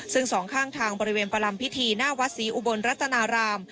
ซึ่งสองข้างทางบริเวณประลำพิธีหน้าวัดศรีอุบลรัตนาราม